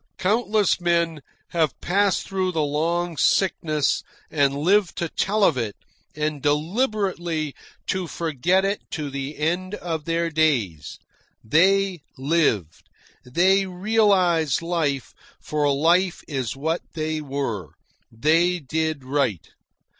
Countless men have passed through the long sickness and lived to tell of it and deliberately to forget it to the end of their days. They lived. They realised life, for life is what they were. They did right.